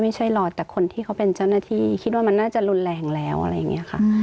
ไม่ใช่รอแต่คนที่เขาเป็นเจ้าหน้าที่คิดว่ามันน่าจะรุนแรงแล้วอะไรอย่างนี้ค่ะ